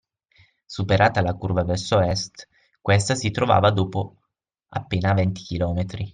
Superata la curva verso Est, questa si trovava dopo appena venti chilometri